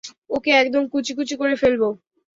ওকে একদম কুচিকুচি করে ফেলবো।